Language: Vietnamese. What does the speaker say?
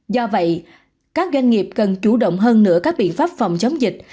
do vậy các doanh nghiệp cần chủ động hơn nữa các biện pháp phòng chống dịch